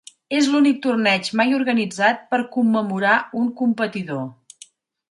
És l'únic torneig mai organitzat per commemorar un competidor.